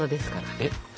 えっ？